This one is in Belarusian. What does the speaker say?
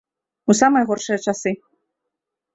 У самыя горшыя часы.